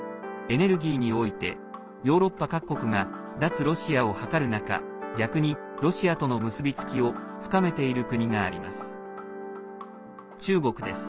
エネルギーにおいてヨーロッパ各国が脱ロシアをはかる中逆にロシアとの結びつきを深めている国があります。